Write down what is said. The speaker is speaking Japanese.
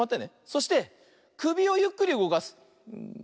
そしてくびをゆっくりうごかす。